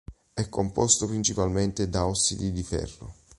È composto principalmente da ossidi di ferro.